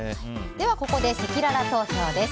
ここで、せきらら投票です。